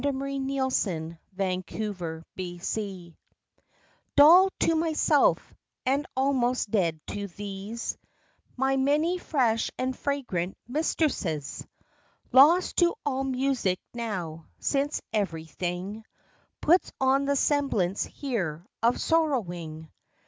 68. THE BAD SEASON MAKES THE POET SAD Dull to myself, and almost dead to these, My many fresh and fragrant mistresses; Lost to all music now, since every thing Puts on the semblance here of sorrowing.